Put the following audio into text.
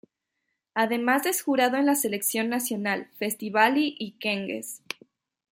Además es jurado en la selección nacional, Festivali i Këngës.